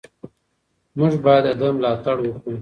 موږ باید د ده ملاتړ وکړو.